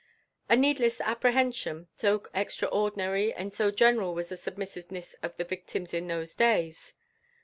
A needless apprehension, so extraordinary and so general was the submissiveness of the victims in those days!